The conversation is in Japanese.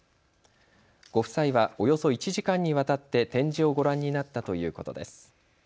ご夫妻はおよそ１時間にわたって展示をご覧になったということです。